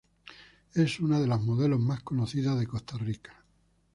Es una de las modelos más conocidas en Costa Rica.